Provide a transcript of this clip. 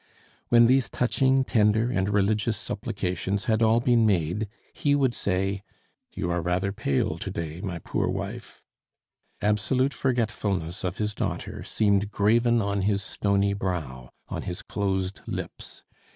When these touching, tender, and religious supplications had all been made, he would say, "You are rather pale to day, my poor wife." Absolute forgetfulness of his daughter seemed graven on his stony brow, on his closed lips.